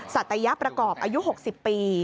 สัตยประกอบอายุ๖๐ปี